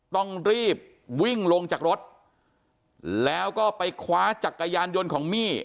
ต้องรีบวิ่งลงจากรถแล้วก็ไปคว้าจักรยานยนต์ของมี่